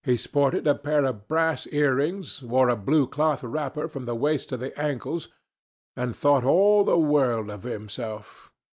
He sported a pair of brass earrings, wore a blue cloth wrapper from the waist to the ankles, and thought all the world of himself.